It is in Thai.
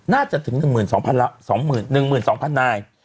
น่าจะถึง๑๒๐๐นาย